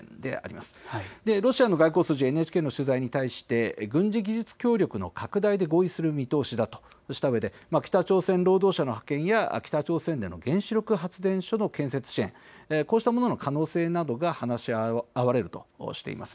またロシアの外交筋はＮＨＫの取材に対して軍事技術協力の拡大で合意する見通しだとしたうえで北朝鮮労働者の派遣や北朝鮮での原子力発電所の建設支援、こうしたものの可能性などが話し合われるとしています。